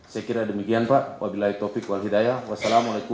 saya kira demikian pak